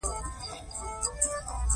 کویلیو یوه خپلواکه روحیه درلوده.